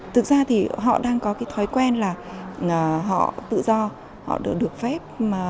thực ra thì họ đang có cái thói quen là họ tự do họ được phép